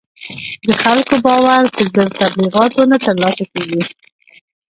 د خلکو باور په زر تبلیغاتو نه تر لاسه کېږي.